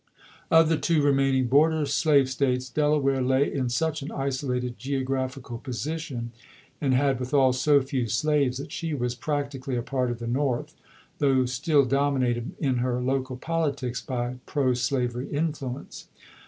Of the two remaining border slave States, Dela ware lay in such an isolated geographical position, and had withal so few slaves, that she was prac tically a part of the North, though still dominated in her local politics by pro slavery influence.